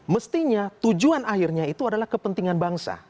mestinya tujuan akhirnya itu adalah kepentingan bangsa